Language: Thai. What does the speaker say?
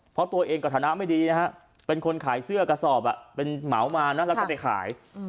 เพราะตัวเองก็ฐานะไม่ดีนะฮะเป็นคนขายเสื้อกระสอบเป็นเหมามานะแล้วก็ไปขาย